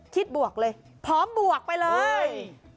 บวกเลยพร้อมบวกไปเลย